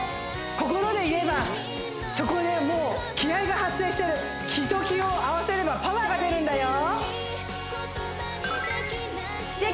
心で言えばそこでもう気合が発生してる気と気を合わせればパワーが出るんだよ